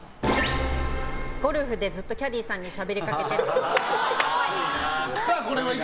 ゴルフでずっとキャディーさんにしゃべりかけてるっぽい。